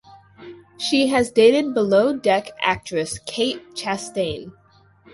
She has dated Below Deck actress Kate Chastain.